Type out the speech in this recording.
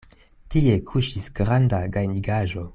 Tie kuŝis granda gajnigaĵo.